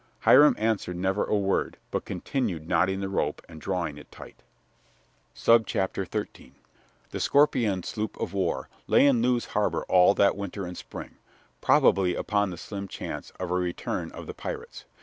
Hiram answered never a word, but continued knotting the rope and drawing it tight. XIII The Scorpion sloop of war lay in Lewes harbor all that winter and spring, probably upon the slim chance of a return of the pirates.